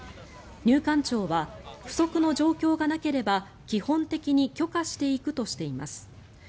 入管庁は不測の状況がなければ基本的に許可していくとしています。